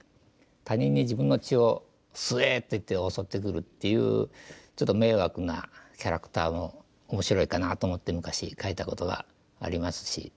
他人に自分の血を「吸え」って言って襲ってくるっていうちょっと迷惑なキャラクターも面白いかなと思って昔描いたことがありますし。